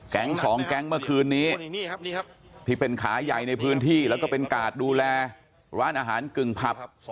๒แก๊งเมื่อคืนนี้ที่เป็นขาใหญ่ในพื้นที่แล้วก็เป็นกาดดูแลร้านอาหารกึ่งผับ